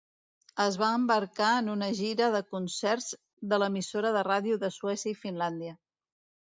Es va embarcar en una gira de concerts de l'emissora de ràdio de Suècia i Finlàndia.